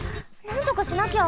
なんとかしなきゃ。